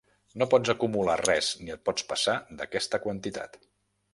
No pots acumular res ni et pots passar d'aquesta quantitat.